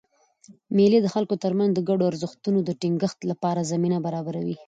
مېلې د خلکو ترمنځ د ګډو ارزښتونو د ټینګښت له پاره زمینه برابروي.